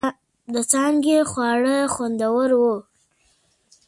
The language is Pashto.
د څانگې خواړه خوندور و.